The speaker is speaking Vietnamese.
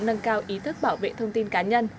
nâng cao ý thức bảo vệ thông tin cá nhân